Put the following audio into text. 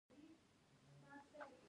په هر ځای کې چې بشر وي ایجاد شته.